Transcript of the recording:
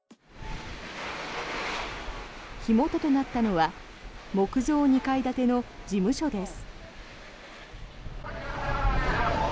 火元となったのは木造２階建ての事務所です。